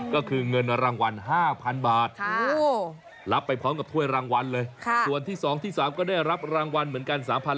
ก็คือเงินรางวัล๕๐๐๐บาทรับไปพร้อมกับถ้วยรางวัลเลยส่วนที่๒ที่๓ก็ได้รับรางวัลเหมือนกัน